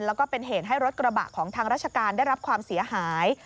แล้วก็เป็นเหตุให้รถกระบะของทางราชการได้รับความเสียหาย